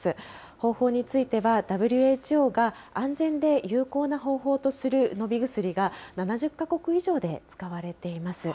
方法については、ＷＨＯが安全で有効な方法とする飲み薬が７０か国以上で使われています。